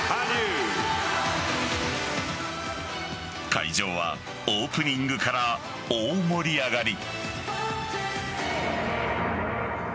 会場はオープニングから大盛り上がり。